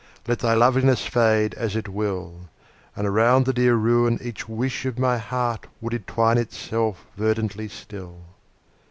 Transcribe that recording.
Let thy loveliness fade as it will. And around the dear ruin each wish of my heart Would entwine itself verdantly still.